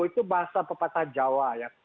itu bahasa pepatah jawa ya